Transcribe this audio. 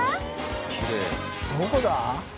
きれいどこだ？